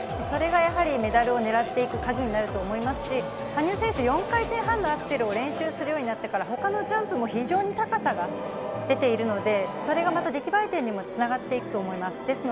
それがメダルを狙っていくカギになると思いますし、羽生選手、４回転半のアクセルを練習するようになってから、他のジャンプも非常に高さが出ているので、それがまた出来栄え点にもつながっていくと思います。